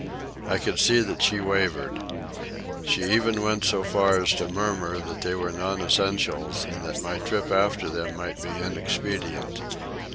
I could see that she wavered. She even went so far as to murmur that they were non essentials and that my trip after them might be inexpedient.